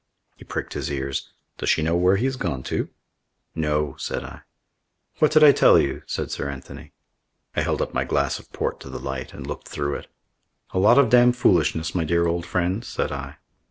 He pricked his ears. "Does she know where he has gone to?" "No," said I. "What did I tell you?" said Sir Anthony. I held up my glass of port to the light and looked through it. "A lot of damfoolishness, my dear old friend," said I.